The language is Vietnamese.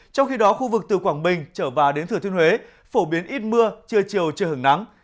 trong khi đó khu vực từ quảng bình trở vào đến thừa thiên huế phổ biến ít mưa trưa chiều chưa hứng nắng